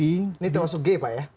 ini termasuk g pak ya